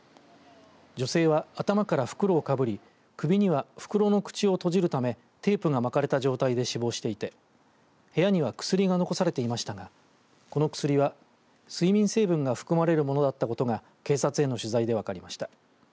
女性は頭から袋をかぶり首には袋の口を閉じるためテープが巻かれた状態で死亡していて部屋には薬が残されていましたがこの薬は睡眠成分が含まれるものだったことが警察への取材で分かりました。